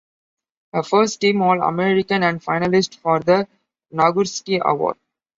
A first-team All-American and finalist for the Nagurski Award.